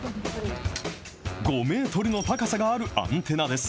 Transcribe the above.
５メートルの高さがあるアンテナです。